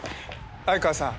相川さん